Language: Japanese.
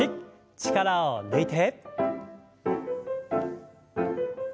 力を抜いて。